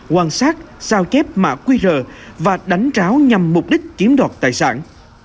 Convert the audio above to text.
quan sát sao chép mã qr và đánh cháo nhằm mục đích kiếm đoạt tài sản